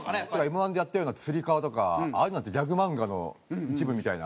Ｍ−１でやったような「つり革」とかああいうのってギャグ漫画の一部みたいな。